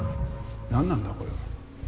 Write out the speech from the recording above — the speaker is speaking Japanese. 何なんだこれは？